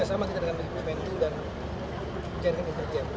bersama kita dengan bipimenu dan jernim interjet